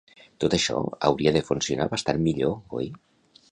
Tot això hauria de funcionar bastant millor, oi?